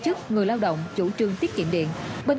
riêng trong năm hai nghìn một mươi bảy